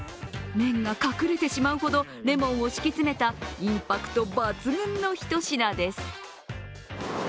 麺が隠れてしまうほどレモンを敷き詰めたインパクト抜群なひと品です。